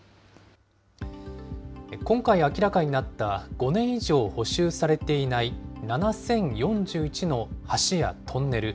今回明らかになった、５年以上補修されていない７０４１の橋やトンネル。